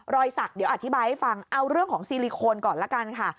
รอยสักเดี๋ยวอธิบายให้ฟังเอาเรื่องของซีลิโคนก่อนละกันค่ะ